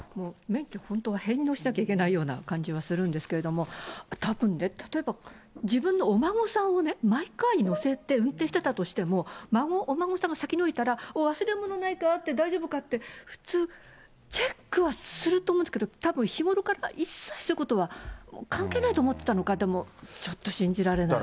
免許、本当は返納しなきゃいけないような感じはするんですけど、たぶんね、例えば自分のお孫さんをマイカーに乗せて運転してたとしても、お孫さんが先に降りたら、忘れ物ないかって、大丈夫かって、普通チェックはすると思うんですけど、たぶん日頃から一切そういうことは関係ないと思ってたのか、でも、ちょっと信じられない。